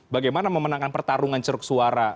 bagaimana memenangkan pertarungan ceruk suara